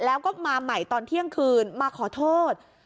แล้วก็มาใหม่ตอนเที่ยงคืนมาขอโทษ